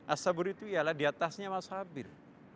as sabur itu ialah diatasnya al masabir